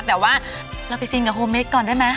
แต่ว่าเราไปฟินกับโฮเมคก่อนได้ไหม